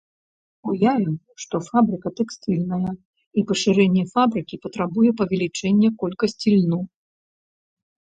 Уявім, што фабрыка тэкстыльная, і пашырэнне фабрыкі патрабуе павелічэння колькасці льну.